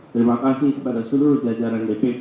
terima kasih kepada seluruh jajaran dpp kepada para kadir